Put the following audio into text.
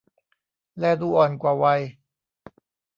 แลดูอ่อนกว่าวัย